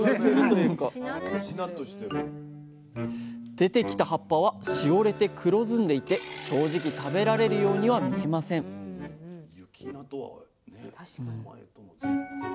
出てきた葉っぱはしおれて黒ずんでいて正直食べられるようには見えません雪菜とはね名前とも随分。